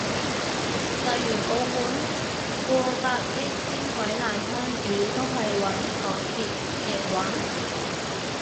例如澳門個百億輕軌爛攤子都係搵港鐵營運？